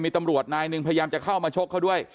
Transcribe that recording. มีตำรวจนายหนึ่งพยายามจะเข้ามาชกเขาด้วย